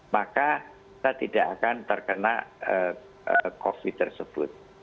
maka kita tidak akan terkena covid sembilan belas tersebut